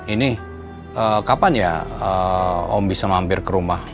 ini kapan ya om bisa mampir ke rumah